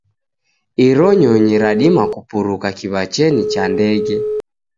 Iro nyonyi radima kupuruka kiwachenyi cha ndege.